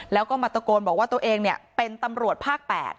แล้วก็มาตะโกนบอกว่าตัวเองเป็นตำรวจภาค๘